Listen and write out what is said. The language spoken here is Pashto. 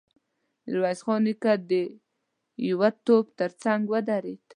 ميرويس نيکه د يوه توپ تر څنګ ودرېد.